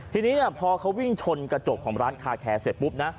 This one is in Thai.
ทีนี้พอเขาวิ่งชนกระจกของร้านคาแคร์เสร็จปุ๊บนะ